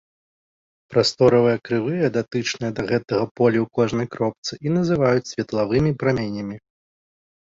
Прасторавыя крывыя, датычныя да гэтага полі ў кожнай кропцы, і называюць светлавымі праменямі.